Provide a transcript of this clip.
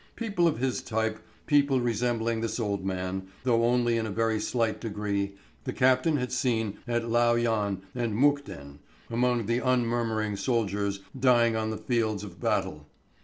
People of his type, people resembling this old man, though only in a very slight degree, the captain had seen at Lao Yan and Mukden, among the unmurmuring soldiers dying on the fields of battle.